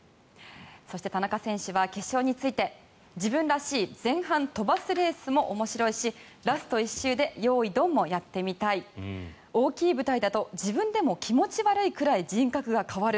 そして田中選手は決勝について自分らしい前半飛ばすレースも面白いしラスト１周でよーいどんもやってみたい大きい舞台だと自分でも気持ち悪いくらい人格が変わる。